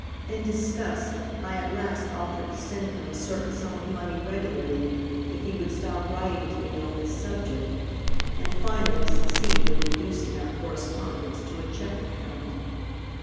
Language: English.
In disgust, I at last offered to send him a certain sum of money regularly if he would stop writing to me on this subject, and finally succeeded in reducing our correspondence to a check account.